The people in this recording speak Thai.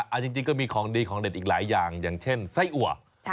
เอาจริงก็มีของดีของเด็ดอีกหลายอย่างอย่างเช่นไส้อัว